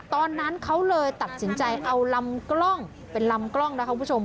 ตอนนั้นเขาเลยตัดสินใจเอาลำกล้องเป็นลำกล้องนะคะคุณผู้ชม